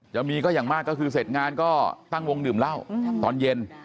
ก็มีก็อย่างมากก็คือเสร็จงานก็ตั้งวงดื่มเหล้าตอนเย็น